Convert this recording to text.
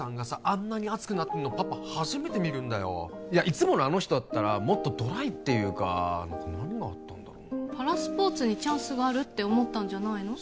あんなに熱くなってるのパパ初めて見るんだよいやいつものあの人だったらもっとドライっていうか何があったんだろうなパラスポーツにチャンスがあるって思ったんじゃないの？